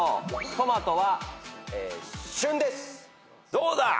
どうだ！？